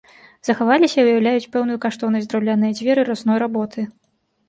Захаваліся і ўяўляюць пэўную каштоўнасць драўляныя дзверы разной работы.